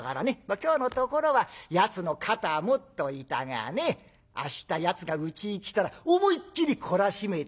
今日のところはやつの肩持っといたがね明日やつがうちに来たら思いっきり懲らしめてやる。